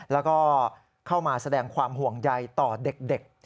แล้วก็เข้ามาแสดงความห่วงใยต่อเด็ก